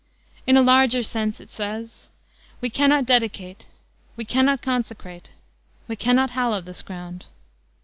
"In a larger sense," it says, "we cannot dedicate, we cannot consecrate, we cannot hallow this ground.